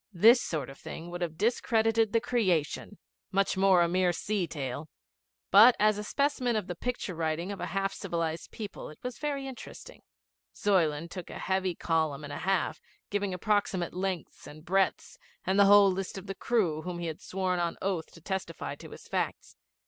This sort of thing would have discredited the Creation, much more a mere sea tale, but as a specimen of the picture writing of a half civilised people it was very interesting. Zuyland took a heavy column and a half, giving approximate lengths and breadths, and the whole list of the crew whom he had sworn on oath to testify to his facts.